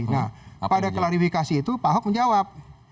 nah pada klarifikasi itu pak ahok menjawab